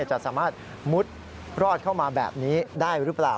จะสามารถมุดรอดเข้ามาแบบนี้ได้หรือเปล่า